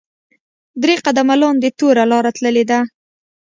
درې قدمه لاندې توره لاره تللې ده.